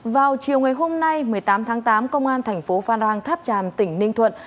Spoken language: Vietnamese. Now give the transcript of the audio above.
vào chiều ngày hôm nay một mươi tám tháng tám công an thành phố phan rang tháp tràm tỉnh ninh thuận